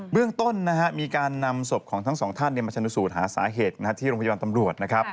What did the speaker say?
เรื่องต้นมีการนำศพของทั้งสองท่านมาชนสูตรหาสาเหตุที่โรงพยาบาลตำรวจนะครับ